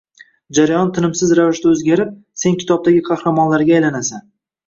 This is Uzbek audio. Jarayon tinimsiz ravishda o‘zgarib, sen kitobdagi qahramonlarga aylanasan